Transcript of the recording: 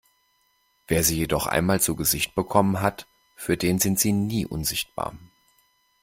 Wer sie jedoch einmal zu Gesicht bekommen hat, für den sind sie nie unsichtbar.